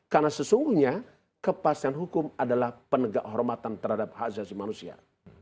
karena sesungguhnya kepastian hukum adalah penegak hormatan terhadap hak jahat manusia